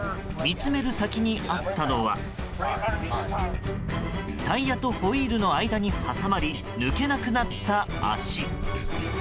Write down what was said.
見つめる先にあったのはタイヤとホイールの間に挟まり抜けなくなった足。